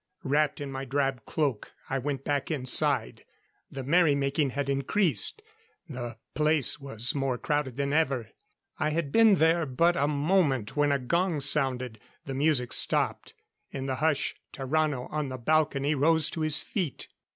Wrapped in my drab cloak, I went back inside. The merry making had increased; the place was more crowded than ever. I had been there but a moment when a gong sounded. The music stopped. In the hush Tarrano, on the balcony, rose to his feet.